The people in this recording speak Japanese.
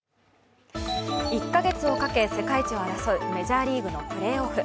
１か月をかけ世界一を争うメジャーリーグのプレーオフ。